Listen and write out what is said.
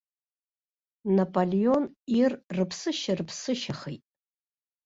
Наполеон ир рыԥсышьа рыԥсышьахеит.